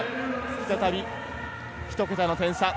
再び一桁の点差。